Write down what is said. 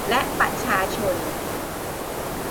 และประชาชน